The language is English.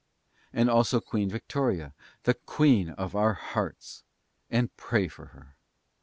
And also of Queen Victoria THE QUEEN of our HEARTS to pray for her.